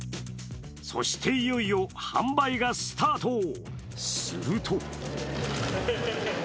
そしていよいよ販売がスタート。